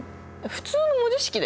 普通の文字式だよ。